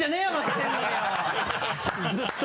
ずっと。